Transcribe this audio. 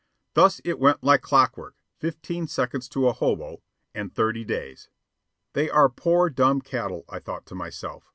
Thus it went like clockwork, fifteen seconds to a hobo and thirty days. They are poor dumb cattle, I thought to myself.